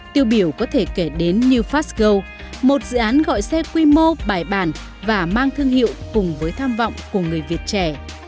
tiêu biểu có thể kể đến như fastgo một dự án gọi xe quy mô bài bản và mang thương hiệu cùng với tham vọng của người việt trẻ